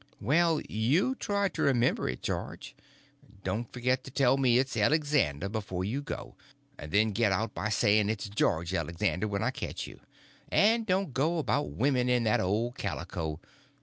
"Well, try to remember it, George. Don't forget and tell me it's Elexander before you go, and then get out by saying it's George Elexander when I catch you. And don't go about women in that old calico.